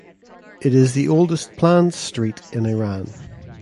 It is the oldest planned street in Iran.